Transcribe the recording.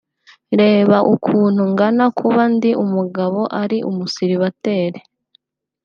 reba ukuntu ngana kuba ndi umugabo ari umusiribateri